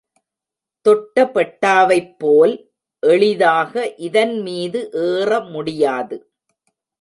தொட்டபெட்டாவைப்போல் எளிதாக இதன்மீது ஏற முடியாது.